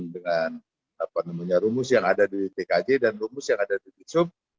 dengan rumus yang ada di tkj dan rumus yang ada di bitsub